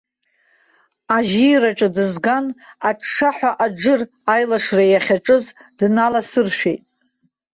Ажьираҿы дызган, аҽҽаҳәа аџыр аилашра иахьаҿыз дналасыршәит.